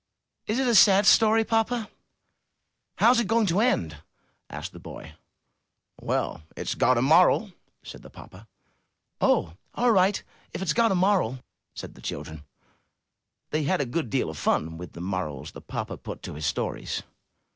''Is it a sad story, papa?'' "How is it going to end?" asked the boy. "Well, it's got a moral," said the papa. "Oh, all right, if it's got a moral," said the children; they had a good deal of fun with the morals the papa put to his stories.